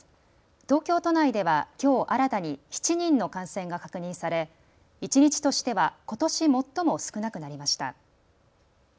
東京都内ではきょう新たに７人の感染が確認され一日としてはことし最も少なくなりました。